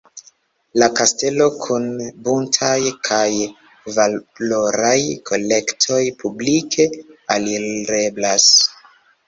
La kastelo kun buntaj kaj valoraj kolektoj publike alireblas.